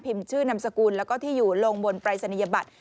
ชื่อนามสกุลแล้วก็ที่อยู่ลงบนปรายศนียบัตร